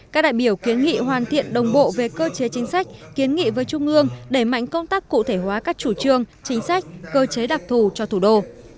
các đại biểu kiến nghị hoàn thiện đồng bộ về cơ chế chính sách kiến nghị với trung ương đẩy mạnh công tác cụ thể hóa các chủ trương chính sách cơ chế đặc thù cho thủ đô